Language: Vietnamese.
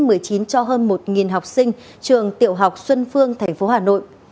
covid một mươi chín cho hơn một học sinh trường tiểu học xuân phương tp hà nội